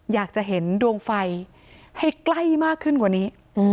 อยากจะเห็นดวงไฟให้ใกล้มากขึ้นกว่านี้